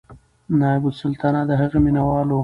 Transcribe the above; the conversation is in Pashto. نایبالسلطنه د هغې مینهوال و.